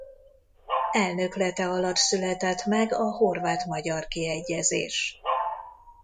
Elnöklete alatt született meg a horvát-magyar kiegyezés.